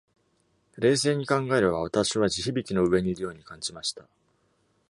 冷静に考えれば私は地響きの上にいるように感じました。